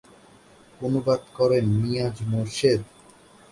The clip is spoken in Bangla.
অনুবাদ করেন নিয়াজ মোরশেদ।